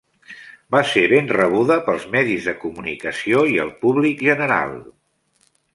Va ser ben rebuda pels medis de comunicació i el públic general.